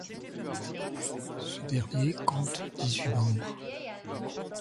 Ce dernier compte dix-huit membres.